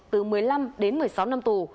từ một mươi năm đến một mươi sáu năm tù